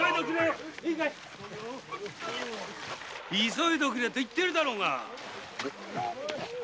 急いでおくれと言ってるだろうが。